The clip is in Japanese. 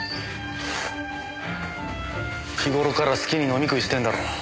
日頃から好きに飲み食いしてんだろう。